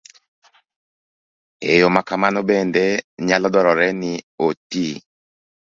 E yo ma kamano bende, nyalo dwarore ni oti